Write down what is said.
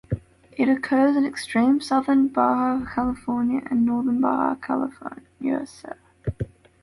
It occurs in extreme southern Baja California and northern Baja California Sur.